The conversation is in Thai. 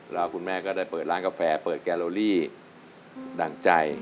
แล้วคุณแม่ก็ได้เปิดร้านกาแฟเปิดแกโลลี่ดั่งใจ